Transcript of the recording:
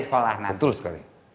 sekolah betul sekali